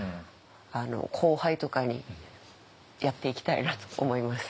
後輩とかにやっていきたいなと思います。